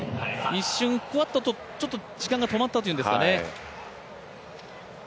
一瞬、ふわっと、時間が止まったというんですかね。